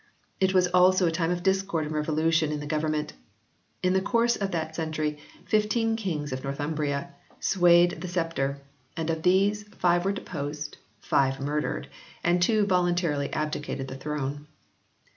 It was also a time of discord and revolution in the government In the course of that century fifteen kings of Northumbria swayed the sceptre, and of these, five were deposed, five murdered, and two voluntarily abdicated the throne.